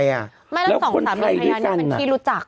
แล้วคนไทยด้วยกันแล้วสามีพระยานี่เป็นที่รู้จัก